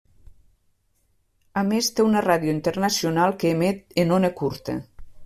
A més té una ràdio internacional que emet en ona curta.